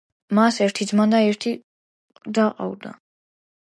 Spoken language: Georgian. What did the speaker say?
მას ერთი ძმა და ერთი და ჰყავდა.